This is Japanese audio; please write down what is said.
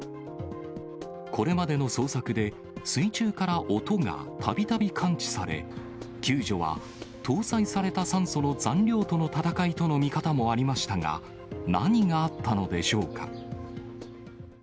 これまでの捜索で、水中から音がたびたび感知され、救助は搭載された酸素の残量との戦いとの見方もありましたが、何があったのでしょうか。